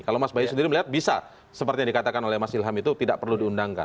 kalau mas bayu sendiri melihat bisa seperti yang dikatakan oleh mas ilham itu tidak perlu diundangkan